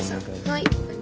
はい。